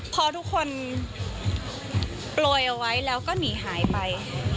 พอทุกคนโปรยเอาไว้แล้วก็หนีหายไป